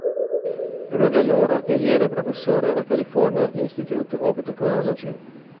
Prima di allora egli era professore al California Institute of Technology.